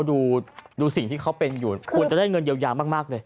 ดูสิ่งที่เขาเป็นอยู่ควรจะได้เงินเยียวยามากเลย